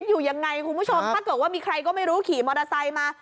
อยู่ยังไงคุณผู้ชมถ้าเกิดว่ามีใครก็ไม่รู้ขี่มอเตอร์ไซค์มา